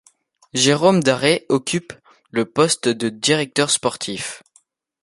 Jérôme Daret occupe le poste de directeur sportif.